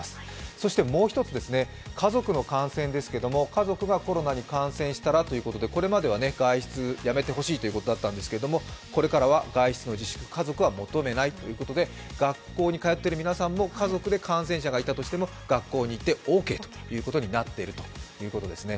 そしてもう１つ、家族の感染ですけれども、家族がコロナに感染したらということでこれまでは外出をやめてほしいということだったんですが、これからは外出の自粛を家族は求めないということで学校に通っている皆さんも家族で感染者がいたとしても学校に行ってオーケーということになっているということですね。